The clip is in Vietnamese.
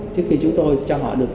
trước khi chúng tôi cho họ được